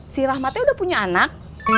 si rahmatnya udah punya anak